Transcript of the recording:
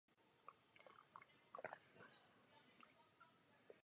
Šlo o genocidu.